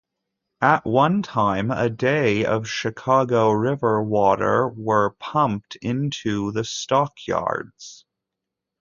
At one time, a day of Chicago River water were pumped into the stockyards.